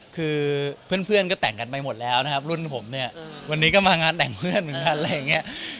คือเพื่อนก็แต่งกันไปหมดแล้วนะครับรุ่นผมเนี่ยวันนี้ก็มางานแต่งเพื่อนเหมือนกันอะไรอย่างนี้